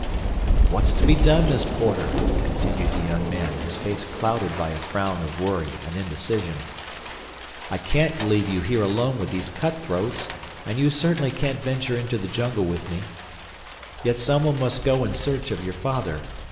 "What's to be done, Miss Porter?" continued the young man, his face clouded by a frown of worry and indecision. "I can't leave you here alone with these cutthroats, and you certainly can't venture into the jungle with me; yet someone must go in search of your father.